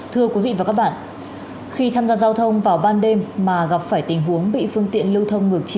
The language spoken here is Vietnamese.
thưa quý vị và các bạn khi tham gia giao thông vào ban đêm mà gặp phải tình huống bị phương tiện lưu thông ngược chiều